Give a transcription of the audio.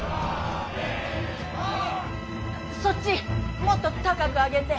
そっちもっと高く上げて。